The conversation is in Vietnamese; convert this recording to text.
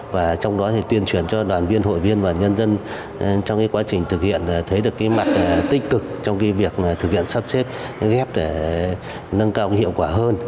và trong đó thì tuyên truyền cho đoàn viên hội viên và nhân dân trong quá trình thực hiện thấy được mặt tích cực trong việc thực hiện sắp xếp ghép để nâng cao hiệu quả hơn